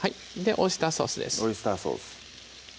オイスターソース